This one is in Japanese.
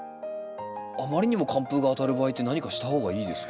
あまりにも寒風があたる場合って何かした方がいいですか？